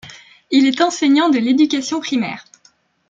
Il est enseignant de l'éducation primaire.